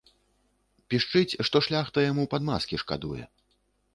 Пішчыць, што шляхта яму подмазкі шкадуе.